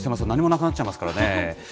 何もなくなっちゃいますからね。